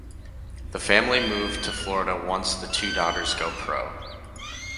The family move to Florida once the two daughters go pro.